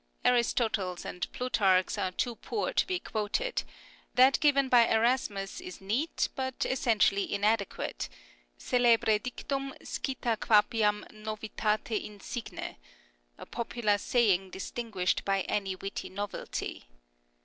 Aristotle's and Plutarch's are too poor to be quoted ; that given by Erasmus is neat, but essentially inadequate, " Celebre dictum scita quapiam novitate insigne "(" A popular saying distinguished by any witty novelty